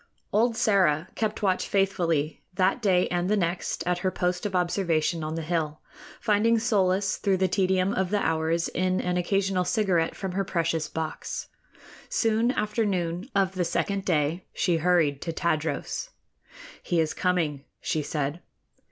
Old Sĕra kept watch faithfully that day and the next at her post of observation on the hill, finding solace through the tedium of the hours in an occasional cigarette from her precious box. Soon after noon of the second day she hurried to Tadros. "He is coming," she said.